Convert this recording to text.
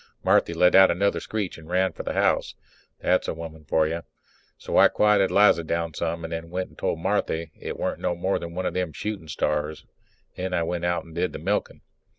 Marthy let out another screech and ran for the house. That's a woman for you. So I quietened Liza down some and I went in and told Marthy it weren't no more than one of them shooting stars. Then I went and did the milking.